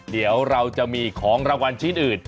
เดี๋ยวเราจะมีของรางวัลชิ้นอื่น